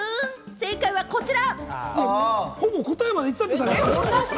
正解はこちら。